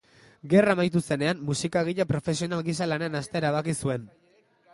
Gerra amaitu zenean, musikagile profesional gisa lanean hastea erabaki zuen.